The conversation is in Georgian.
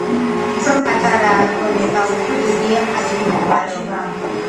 უფრო პატარაა გონება, უფრო დიდია პატივმოყვარეობა.